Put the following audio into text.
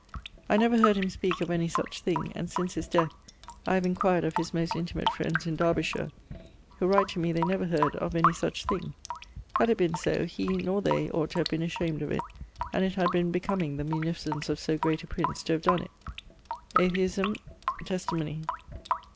I never heard him speake of any such thing; and, since his death, I have inquired of his most intimate friends in Derbyshire, who write to me they never heard of any such thing. Had it been so, he, nor they, ought to have been ashamed of it, and it had been becoming the munificence of so great a prince to have donne it. Atheisme. Testimonie.